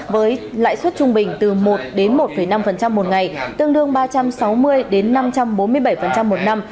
với lãi suất trung bình từ một đến một năm một ngày tương đương ba trăm sáu mươi năm trăm bốn mươi bảy một năm